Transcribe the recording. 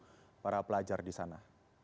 apakah ada pelajar di sana